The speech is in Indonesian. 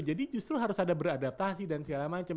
jadi justru harus ada beradaptasi dan segala macem